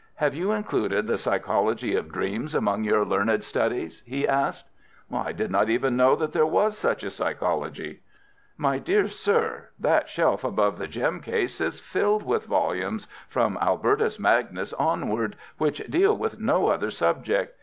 "Have you included the psychology of dreams among your learned studies?" he asked. "I did not even know that there was such a psychology." "My dear sir, that shelf above the gem case is filled with volumes, from Albertus Magnus onward, which deal with no other subject.